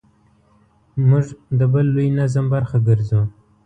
موږ د بل لوی نظم برخه ګرځو.